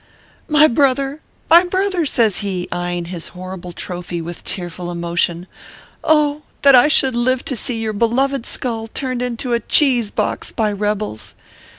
"My brother! my brother!" says he, eyeing his horrible trophy with tearful emotion. "! that I should live to see your beloved skull turned into a cheese box by rebels